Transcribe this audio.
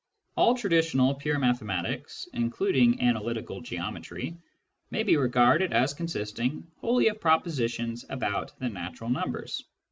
All traditional pure mathematics, including analytical geom etry, may be regarded as consisting wholly of propositions about the natural numbers.